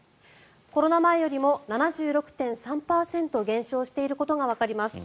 コロナ前よりも７６．３％減少していることがわかります。